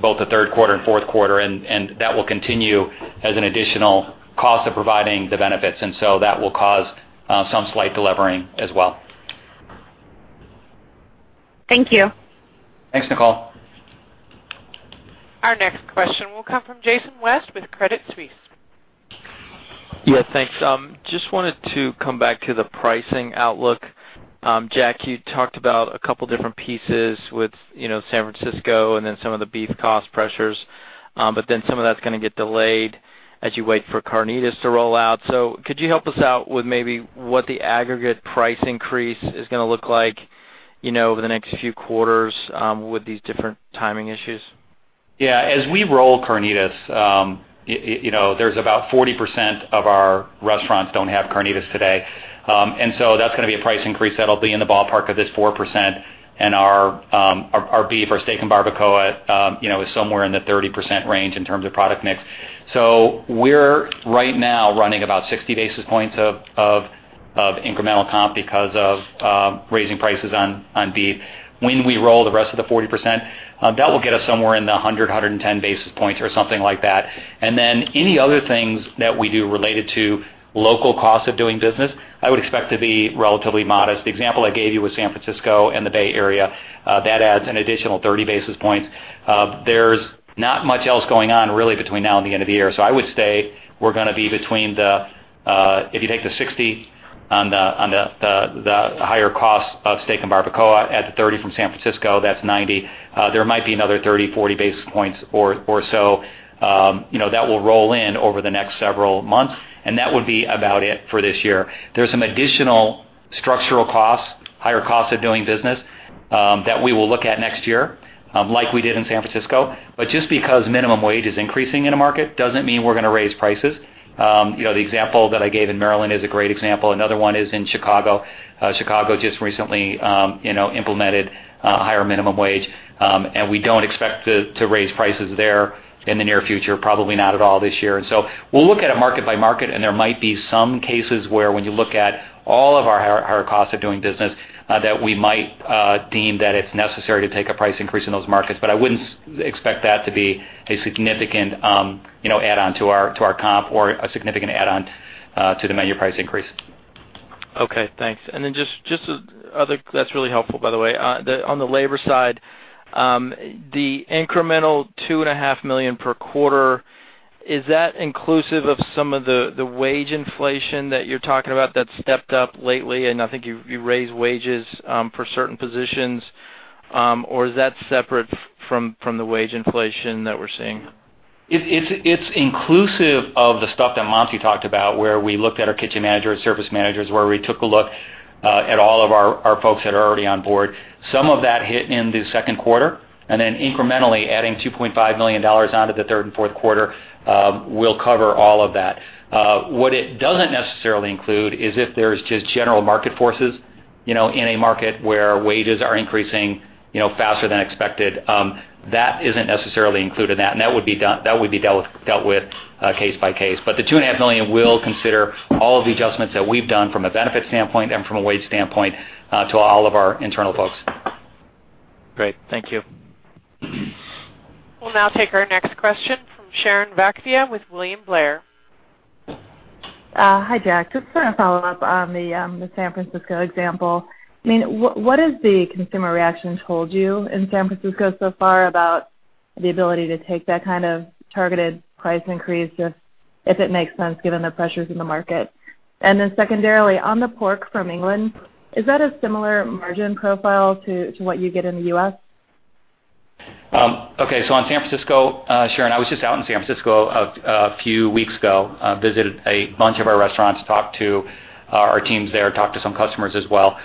both the third quarter and fourth quarter, and that will continue as an additional cost of providing the benefits. That will cause some slight de-levering as well. Thank you. Thanks, Nicole. Our next question will come from Jason West with Credit Suisse. Yeah, thanks. Just wanted to come back to the pricing outlook. Jack, you talked about a couple different pieces with San Francisco and some of the beef cost pressures. Some of that's going to get delayed as you wait for carnitas to roll out. Could you help us out with maybe what the aggregate price increase is going to look like over the next few quarters with these different timing issues? Yeah. As we roll carnitas, there's about 40% of our restaurants don't have carnitas today. That's going to be a price increase that'll be in the ballpark of this 4%. Our beef, our steak and barbacoa, is somewhere in the 30% range in terms of product mix. We're right now running about 60 basis points of incremental comp because of raising prices on beef. When we roll the rest of the 40%, that will get us somewhere in the 100, 110 basis points or something like that. Any other things that we do related to local cost of doing business, I would expect to be relatively modest. The example I gave you was San Francisco and the Bay Area. That adds an additional 30 basis points. There's not much else going on, really, between now and the end of the year. I would say we're going to be between the, if you take the 60 on the higher cost of steak and barbacoa, add the 30 from San Francisco, that's 90. There might be another 30, 40 basis points or so that will roll in over the next several months, and that would be about it for this year. There's some additional structural costs, higher costs of doing business, that we will look at next year, like we did in San Francisco. Just because minimum wage is increasing in a market doesn't mean we're going to raise prices. The example that I gave in Maryland is a great example. Another one is in Chicago. Chicago just recently implemented a higher minimum wage, we don't expect to raise prices there in the near future, probably not at all this year. We'll look at it market by market, there might be some cases where when you look at all of our higher costs of doing business, that we might deem that it's necessary to take a price increase in those markets. I wouldn't expect that to be a significant add-on to our comp or a significant add-on to the menu price increase. Okay, thanks. That's really helpful, by the way. On the labor side, the incremental $2.5 million per quarter, is that inclusive of some of the wage inflation that you're talking about that's stepped up lately, and I think you raised wages for certain positions? Or is that separate from the wage inflation that we're seeing? It's inclusive of the stuff that Monty talked about, where we looked at our kitchen managers, service managers, where we took a look at all of our folks that are already on board. Some of that hit in the second quarter, and then incrementally adding $2.5 million onto the third and fourth quarter will cover all of that. What it doesn't necessarily include is if there's just general market forces in a market where wages are increasing faster than expected. That isn't necessarily included in that, and that would be dealt with case by case. The $2.5 million will consider all of the adjustments that we've done from a benefit standpoint and from a wage standpoint to all of our internal folks. Great, thank you. We'll now take our next question from Sharon Zackfia with William Blair. Hi, Jack. Just want to follow up on the San Francisco example. What has the consumer reaction told you in San Francisco so far about the ability to take that kind of targeted price increase, if it makes sense, given the pressures in the market? Secondarily, on the pork from England, is that a similar margin profile to what you get in the U.S.? Okay. On San Francisco, Sharon, I was just out in San Francisco a few weeks ago. Visited a bunch of our restaurants, talked to our teams there, talked to some customers as well.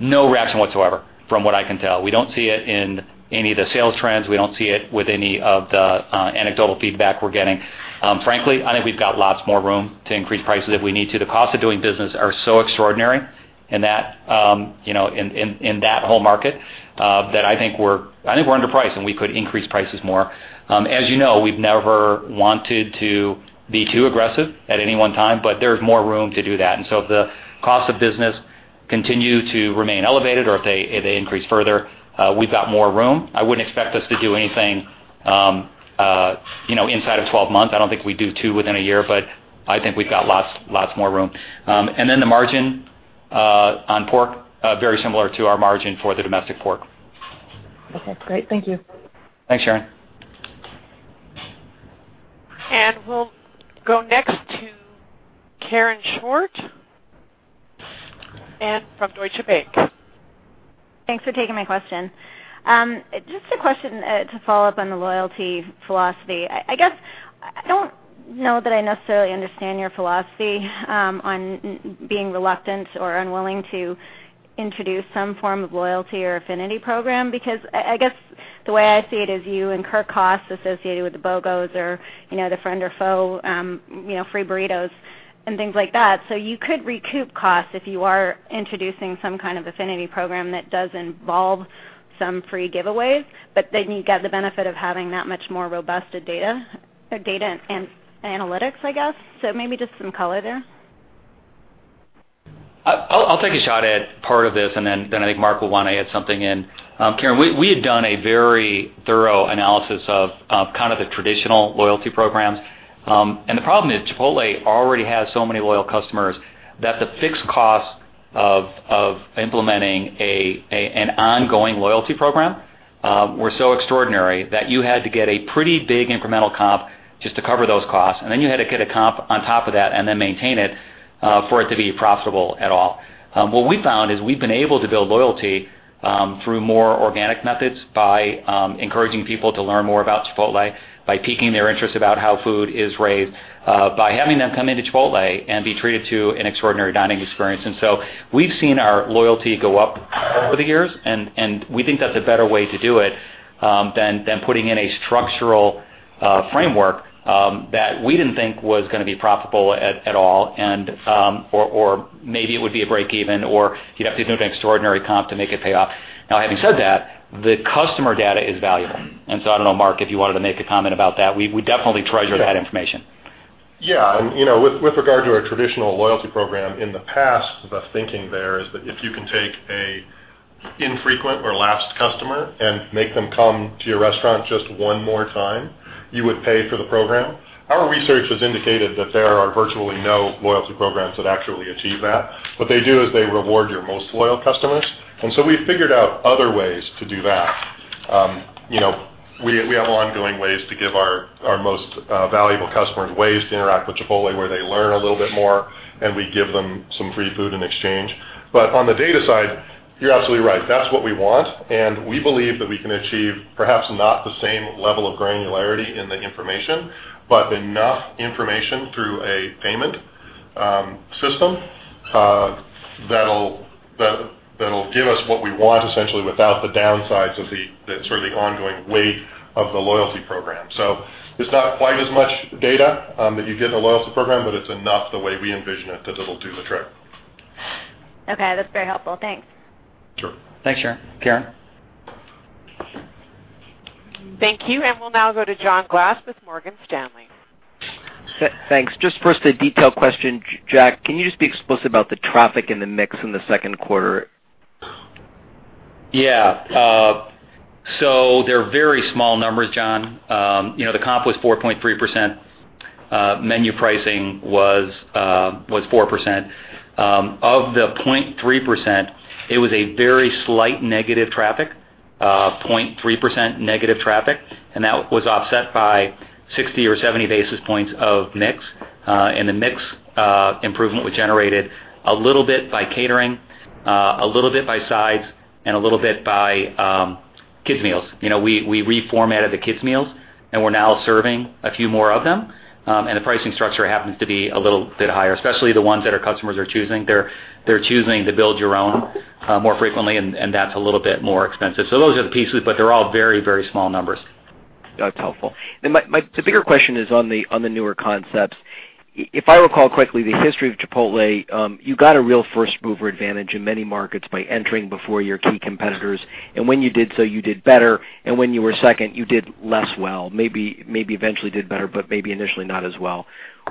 No reaction whatsoever from what I can tell. We don't see it in any of the sales trends. We don't see it with any of the anecdotal feedback we're getting. Frankly, I think we've got lots more room to increase prices if we need to. The cost of doing business are so extraordinary in that whole market that I think we're underpriced, and we could increase prices more. As you know, we've never wanted to be too aggressive at any one time, but there's more room to do that. If the cost of business continue to remain elevated or if they increase further, we've got more room. I wouldn't expect us to do anything inside of 12 months. I don't think we'd do two within a year, but I think we've got lots more room. The margin on pork, very similar to our margin for the domestic pork. Okay, great. Thank you. Thanks, Sharon. We'll go next to Karen Short, from Deutsche Bank. Thanks for taking my question. Just a question to follow up on the loyalty philosophy. I guess I don't know that I necessarily understand your philosophy on being reluctant or unwilling to introduce some form of loyalty or affinity program, because I guess the way I see it is you incur costs associated with the BOGOs or the Friends or Faux free burritos and things like that. You could recoup costs if you are introducing some kind of affinity program that does involve some free giveaways, but then you get the benefit of having that much more robust data or data and analytics, I guess. Maybe just some color there. I'll take a shot at part of this, then I think Mark will want to add something in. Karen, we had done a very thorough analysis of the traditional loyalty programs. The problem is Chipotle already has so many loyal customers that the fixed cost of implementing an ongoing loyalty program were so extraordinary that you had to get a pretty big incremental comp just to cover those costs, then you had to get a comp on top of that and then maintain it for it to be profitable at all. What we found is we've been able to build loyalty through more organic methods by encouraging people to learn more about Chipotle, by piquing their interest about how food is raised, by having them come into Chipotle and be treated to an extraordinary dining experience. We've seen our loyalty go up over the years, and we think that's a better way to do it than putting in a structural framework that we didn't think was going to be profitable at all, or maybe it would be a break-even, or you'd have to do an extraordinary comp to make it pay off. Having said that, the customer data is valuable. I don't know, Mark, if you wanted to make a comment about that. We definitely treasure that information. Yeah. With regard to a traditional loyalty program, in the past, the thinking there is that if you can take an infrequent or lapsed customer and make them come to your restaurant just one more time, you would pay for the program. Our research has indicated that there are virtually no loyalty programs that actually achieve that. What they do is they reward your most loyal customers. We figured out other ways to do that. We have ongoing ways to give our most valuable customers ways to interact with Chipotle, where they learn a little bit more, and we give them some free food in exchange. On the data side, you're absolutely right. That's what we want. We believe that we can achieve perhaps not the same level of granularity in the information, but enough information through a payment system that'll give us what we want essentially without the downsides of the sort of ongoing weight of the loyalty program. It's not quite as much data that you get in the loyalty program, but it's enough the way we envision it that it'll do the trick. Okay, that's very helpful. Thanks. Sure. Thanks, Sharon. Karen. Thank you. We'll now go to John Glass with Morgan Stanley. Thanks. Just first a detailed question. Jack, can you just be explicit about the traffic and the mix in the second quarter? Yeah. They're very small numbers, John. The comp was 4.3%. Menu pricing was 4%. Of the 0.3%, it was a very slight negative traffic, 0.3% negative traffic, and that was offset by 60 or 70 basis points of mix. The mix improvement was generated a little bit by catering, a little bit by sides, and a little bit by kids meals. We reformatted the kids meals, and we're now serving a few more of them. The pricing structure happens to be a little bit higher, especially the ones that our customers are choosing. They're choosing to build your own more frequently, and that's a little bit more expensive. Those are the pieces, but they're all very small numbers. That's helpful. My bigger question is on the newer concepts. If I recall correctly, the history of Chipotle, you got a real first-mover advantage in many markets by entering before your key competitors. When you did so, you did better, and when you were second, you did less well, maybe eventually did better, but maybe initially not as well.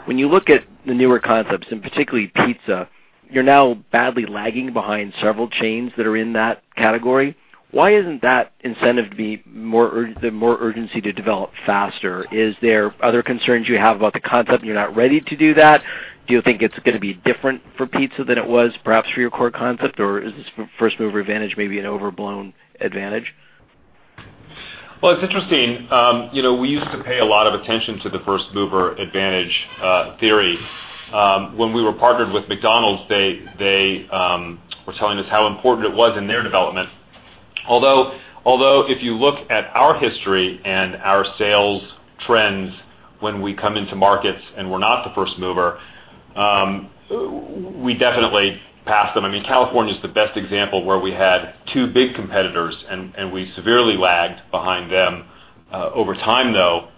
When you look at the newer concepts, and particularly pizza, you're now badly lagging behind several chains that are in that category. Why isn't that incentive the more urgency to develop faster? Is there other concerns you have about the concept, and you're not ready to do that? Do you think it's going to be different for pizza than it was perhaps for your core concept, or is this first-mover advantage maybe an overblown advantage? Well, it's interesting. We used to pay a lot of attention to the first-mover advantage theory. When we were partnered with McDonald's, they were telling us how important it was in their development. Although if you look at our history and our sales trends when we come into markets and we're not the first mover, we definitely pass them. California is the best example, where we had two big competitors, and we severely lagged behind them. Over time, though,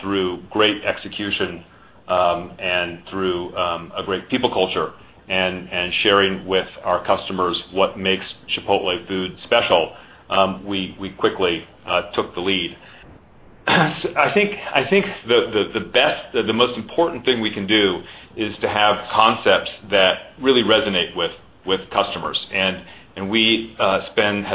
through great execution and through a great people culture and sharing with our customers what makes Chipotle food special, we quickly took the lead. I think the most important thing we can do is to have concepts that really resonate with customers. We have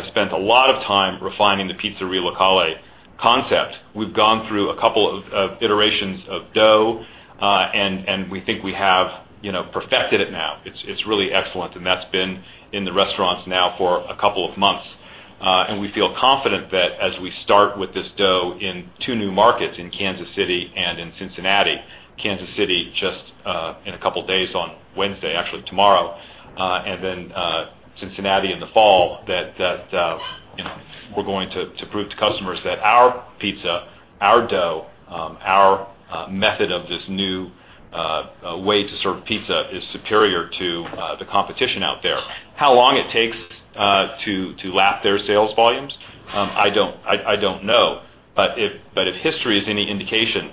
spent a lot of time refining the Pizzeria Locale concept. We've gone through a couple of iterations of dough, and we think we have perfected it now. It's really excellent, and that's been in the restaurants now for a couple of months. We feel confident that as we start with this dough in two new markets, in Kansas City and in Cincinnati, Kansas City just in a couple of days on Wednesday, actually tomorrow, and then Cincinnati in the fall, that we're going to prove to customers that our pizza, our dough, our method of this new way to serve pizza is superior to the competition out there. How long it takes to lap their sales volumes, I don't know. If history is any indication,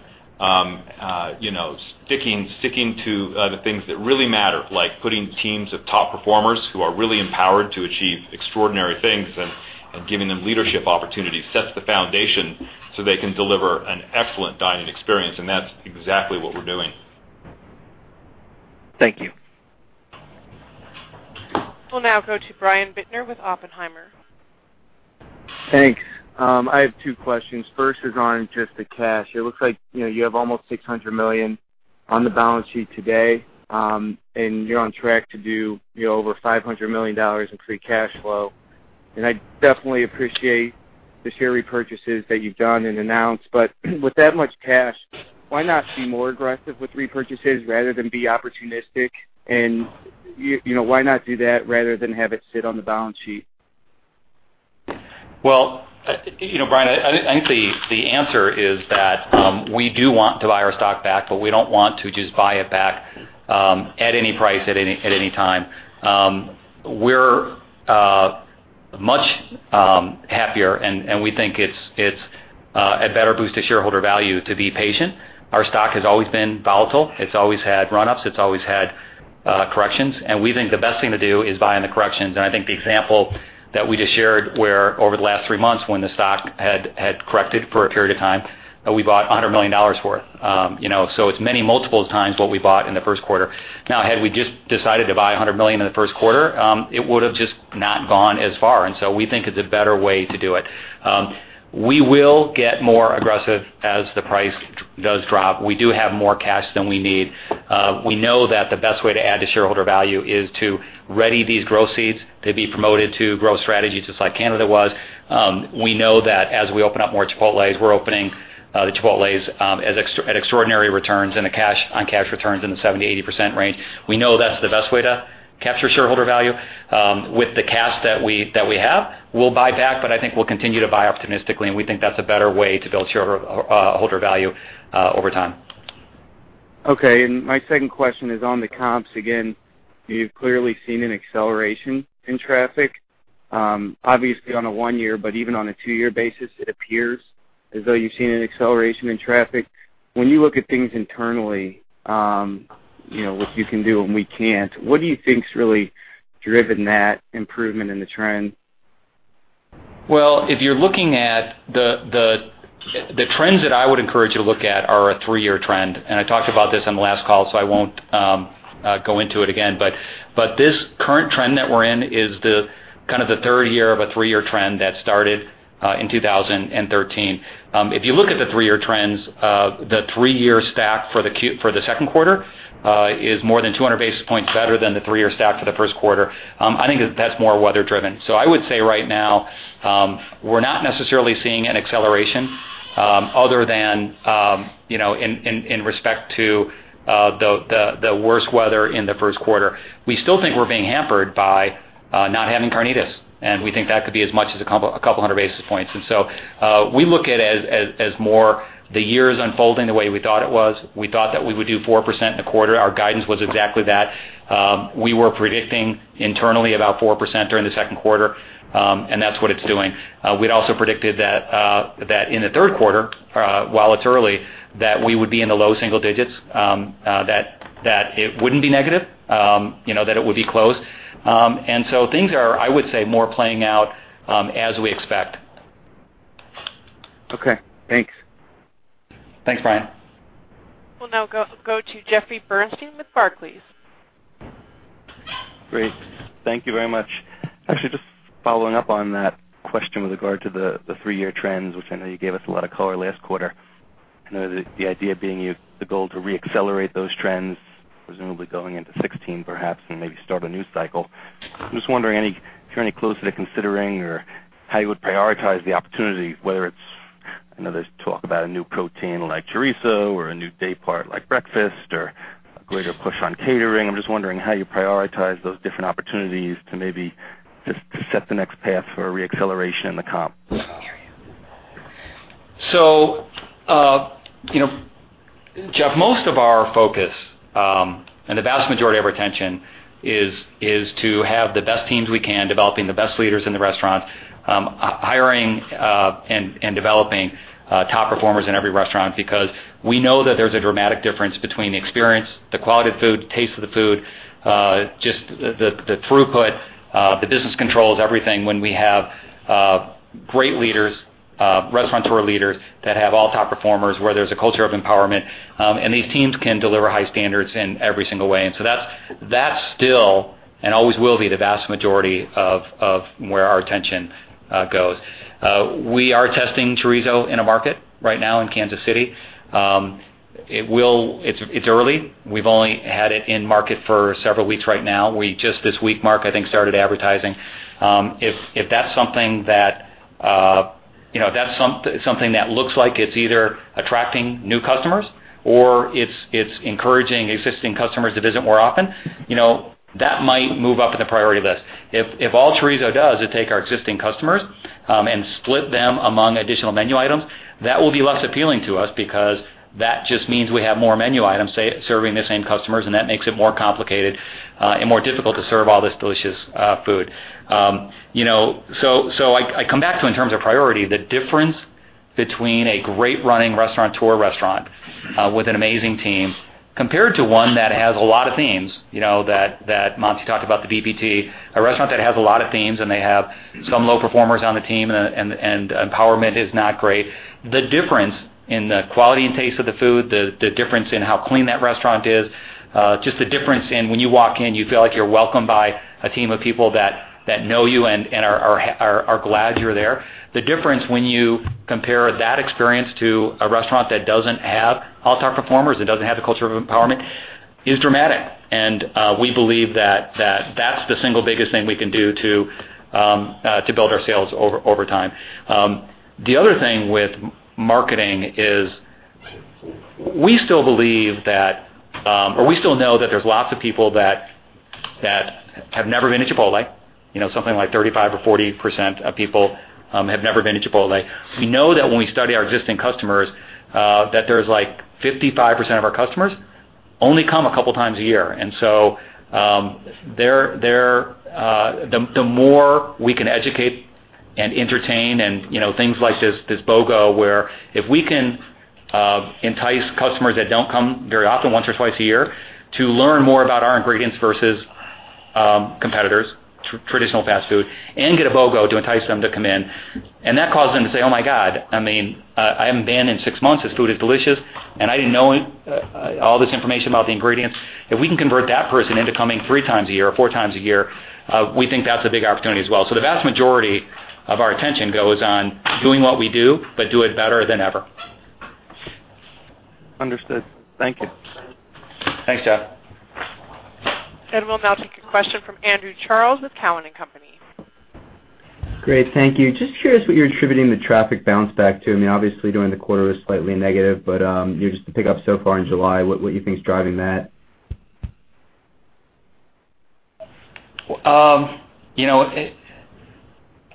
sticking to the things that really matter, like putting teams of top performers who are really empowered to achieve extraordinary things and giving them leadership opportunities, sets the foundation so they can deliver an excellent dining experience, and that's exactly what we're doing. Thank you. We'll now go to Brian Bittner with Oppenheimer. Thanks. I have two questions. First is on just the cash. It looks like you have almost $600 million on the balance sheet today, and you're on track to do over $500 million in free cash flow. I definitely appreciate the share repurchases that you've done and announced. With that much cash, why not be more aggressive with repurchases rather than be opportunistic? Why not do that rather than have it sit on the balance sheet? Well, Brian, I think the answer is that we do want to buy our stock back, but we don't want to just buy it back at any price, at any time. We're much happier, and we think it's a better boost to shareholder value to be patient. Our stock has always been volatile. It's always had run-ups, it's always had corrections, and we think the best thing to do is buy in the corrections. I think the example that we just shared, where over the last three months, when the stock had corrected for a period of time, we bought $100 million worth. It's many multiples times what we bought in the first quarter. Now, had we just decided to buy $100 million in the first quarter, it would've just not gone as far. We think it's a better way to do it. We will get more aggressive as the price does drop. We do have more cash than we need. We know that the best way to add to shareholder value is to ready these growth seeds to be promoted to growth strategies just like Canada was. We know that as we open up more Chipotles, we're opening the Chipotles at extraordinary returns and on cash returns in the 70%-80% range. We know that's the best way to capture shareholder value. With the cash that we have, we'll buy back, but I think we'll continue to buy optimistically, and we think that's a better way to build shareholder value over time. My second question is on the comps. Again, you've clearly seen an acceleration in traffic, obviously on a 1-year, but even on a 2-year basis, it appears as though you've seen an acceleration in traffic. When you look at things internally, what you can do and we can't, what do you think's really driven that improvement in the trend? Well, the trends that I would encourage you to look at are a three-year trend. I talked about this on the last call, I won't go into it again. This current trend that we're in is kind of the third year of a three-year trend that started in 2013. If you look at the three-year trends, the three-year stack for the second quarter is more than 200 basis points better than the three-year stack for the first quarter. I think that that's more weather driven. I would say right now, we're not necessarily seeing an acceleration other than in respect to the worst weather in the first quarter. We still think we're being hampered by not having carnitas, we think that could be as much as a couple hundred basis points. We look at it as more the year is unfolding the way we thought it was. We thought that we would do 4% in the quarter. Our guidance was exactly that. We were predicting internally about 4% during the second quarter. That's what it's doing. We'd also predicted that in the third quarter, while it's early, that we would be in the low single digits, that it wouldn't be negative, that it would be close. Things are, I would say, more playing out as we expect. Okay, thanks. Thanks, Brian. We'll now go to Jeffrey Bernstein with Barclays. Great. Thank you very much. Actually, just following up on that question with regard to the three-year trends, which I know you gave us a lot of color last quarter. I know the idea being the goal to re-accelerate those trends, presumably going into 2016 perhaps, and maybe start a new cycle. I'm just wondering if you're any closer to considering or how you would prioritize the opportunities, whether it's I know there's talk about a new protein like chorizo or a new day part like breakfast or a greater push on catering. I'm just wondering how you prioritize those different opportunities to maybe just to set the next path for re-acceleration in the comp. Jeff, most of our focus, and the vast majority of our attention is to have the best teams we can, developing the best leaders in the restaurant, hiring, and developing top performers in every restaurant because we know that there's a dramatic difference between the experience, the quality of food, taste of the food, just the throughput, the business controls, everything when we have great leaders, Restaurateur leaders that have all-top performers, where there's a culture of empowerment, and these teams can deliver high standards in every single way. That's still and always will be the vast majority of where our attention goes. We are testing chorizo in a market right now in Kansas City. It's early. We've only had it in market for several weeks right now. We just this week, Mark, I think, started advertising. If that's something that looks like it's either attracting new customers or it's encouraging existing customers to visit more often, that might move up in the priority list. If all chorizo does is take our existing customers, and split them among additional menu items, that will be less appealing to us because that just means we have more menu items serving the same customers, and that makes it more complicated, and more difficult to serve all this delicious food. I come back to, in terms of priority, the difference between a great running Restaurateur restaurant, with an amazing team compared to one that has a lot of themes, that Monty talked about the BPT, a restaurant that has a lot of themes, and they have some low performers on the team and empowerment is not great. The difference in the quality and taste of the food, the difference in how clean that restaurant is, just the difference in when you walk in, you feel like you're welcomed by a team of people that know you and are glad you're there. The difference when you compare that experience to a restaurant that doesn't have all-star performers, that doesn't have the culture of empowerment, is dramatic. We believe that that's the single biggest thing we can do to build our sales over time. The other thing with marketing is we still believe that, or we still know that there's lots of people that have never been to Chipotle, something like 35% or 40% of people have never been to Chipotle. We know that when we study our existing customers, that there's like 55% of our customers only come a couple times a year. The more we can educate and entertain and, things like this BOGO where if we can entice customers that don't come very often, once or twice a year, to learn more about our ingredients versus competitors, traditional fast food, and get a BOGO to entice them to come in. That caused them to say, "Oh my God, I mean, I haven't been in six months. This food is delicious, and I didn't know all this information about the ingredients." If we can convert that person into coming three times a year or four times a year, we think that's a big opportunity as well. The vast majority of our attention goes on doing what we do, but do it better than ever. Understood. Thank you. Thanks, Jeff. We'll now take a question from Andrew Charles with Cowen and Company. Great. Thank you. Just curious what you're attributing the traffic bounce back to. Obviously, during the quarter it was slightly negative, just the pickup so far in July, what you think is driving that?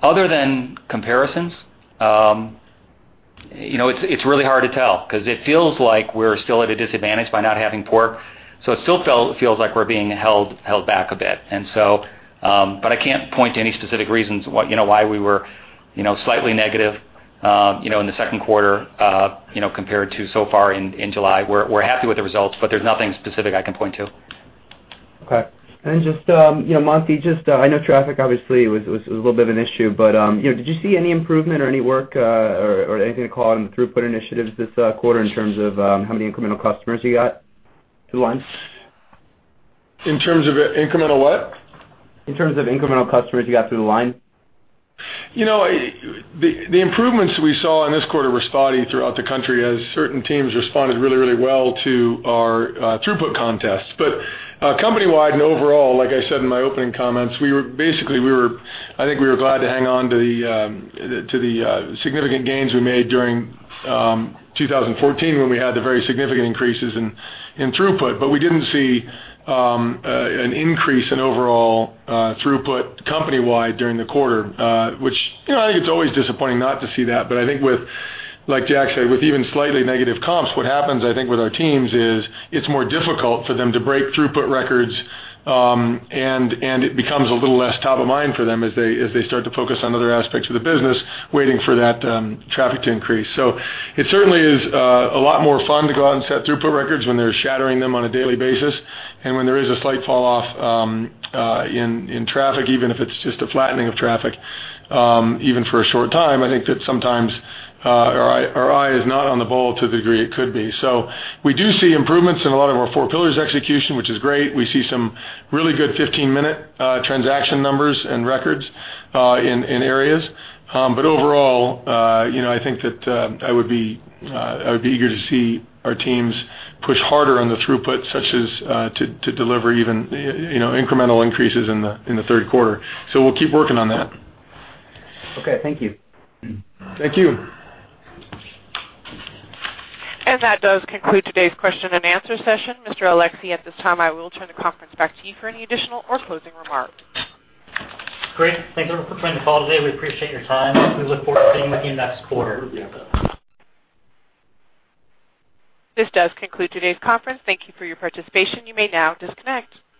Other than comparisons, it's really hard to tell because it feels like we're still at a disadvantage by not having pork, so it still feels like we're being held back a bit. I can't point to any specific reasons why we were slightly negative in the second quarter compared to so far in July. We're happy with the results, there's nothing specific I can point to. Okay. Just, Monty, I know traffic obviously was a little bit of an issue, did you see any improvement or any work or anything to call out on the throughput initiatives this quarter in terms of how many incremental customers you got through the lines? In terms of incremental what? In terms of incremental customers you got through the line. The improvements we saw in this quarter were spotty throughout the country as certain teams responded really well to our throughput contest. Company-wide and overall, like I said in my opening comments, basically, I think we were glad to hang on to the significant gains we made during 2014 when we had the very significant increases in throughput. We didn't see an increase in overall throughput company-wide during the quarter, which I think it's always disappointing not to see that, but I think with, like Jack said, with even slightly negative comps, what happens, I think, with our teams is it's more difficult for them to break throughput records, and it becomes a little less top of mind for them as they start to focus on other aspects of the business, waiting for that traffic to increase. It certainly is a lot more fun to go out and set throughput records when they're shattering them on a daily basis. When there is a slight fall off in traffic, even if it's just a flattening of traffic, even for a short time, I think that sometimes our eye is not on the ball to the degree it could be. We do see improvements in a lot of our Four Pillars execution, which is great. We see some really good 15-minute transaction numbers and records, in areas. Overall, I think that I would be eager to see our teams push harder on the throughput, such as to deliver even incremental increases in the third quarter. We'll keep working on that. Okay. Thank you. Thank you. That does conclude today's question-and-answer session. Mr. Alexee, at this time, I will turn the conference back to you for any additional or closing remarks. Great. Thank you for joining the call today. We appreciate your time. We look forward to seeing you again next quarter. Absolutely. This does conclude today's conference. Thank you for your participation. You may now disconnect.